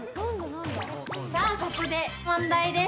さあ、ここで問題です。